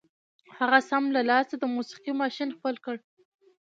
هغه سم له لاسه د موسيقۍ ماشين خپل کړ.